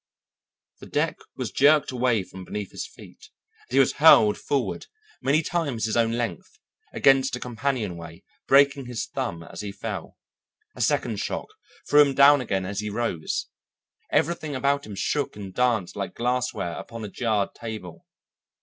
The deck was jerked away from beneath his feet, and he was hurled forward, many times his own length, against a companionway, breaking his thumb as he fell. A second shock threw him down again as he rose; everything about him shook and danced like glassware upon a jarred table.